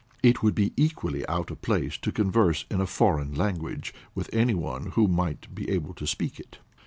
It would be equally out of place to converse in a foreign language, with any one who might be able to speak it.